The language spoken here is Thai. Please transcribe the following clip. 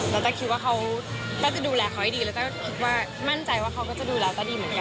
เราตั้งคิดว่าตั้งจะดูแลเขาให้ดีแล้วตั้งคิดว่ามั่นใจว่าเขาก็จะดูแลตั้งดีเหมือนกัน